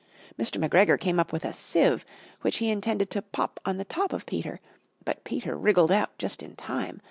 Mr. McGregor came up with a sieve which he intended to pop on the top of Peter, but Peter wriggled out just in time.